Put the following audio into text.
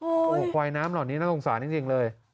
โหไขวน้ำหน่อยนี้น่าสงสานจริงเลย